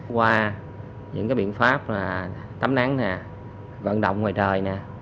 qua những biện pháp tắm nắng vận động ngoài trời